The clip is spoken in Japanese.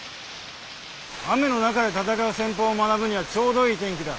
雨の中で戦う戦法を学ぶにはちょうどいい天気だ！